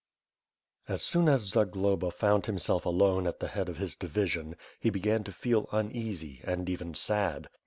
As soon as Zagloba found himself alone at the head of hib division, he began to feel uneasy, and even sad.